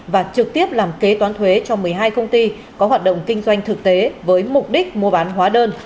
và trực tiếp làm kế toán thuế cho một mươi hai công ty có hoạt động kinh doanh thực tế với mục đích mua bán hóa đơn